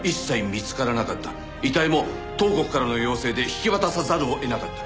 遺体も東国からの要請で引き渡さざるを得なかった。